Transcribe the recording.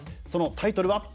そのタイトルは。